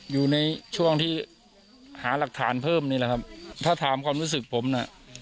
อยู่ในช่วงที่หาหลักฐานเพิ่มนี่แหละครับถ้าถามความรู้สึกผมน่ะ